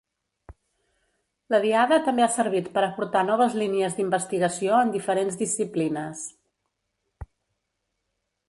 La diada també ha servit per aportar noves línies d’investigació en diferents disciplines.